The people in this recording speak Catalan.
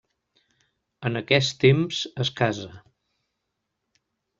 En aquest temps es casa.